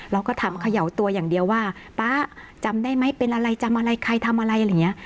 เราก็ถามเขย่าตัวอย่างเดียวว่าป๊าจำได้ไหมเป็นอะไรจำอะไรใครทำอะไรอะไรอย่างนี้